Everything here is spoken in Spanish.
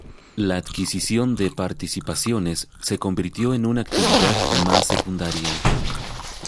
La adquisición de participaciones se convirtió en una actividad más secundaria.